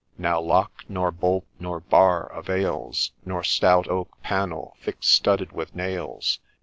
' Now lock, nor bolt, nor bar avails, Nor stout oak panel thick studded with nails.